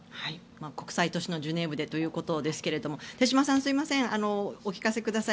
国際都市のジュネーブでということですが手嶋さん、お聞かせください。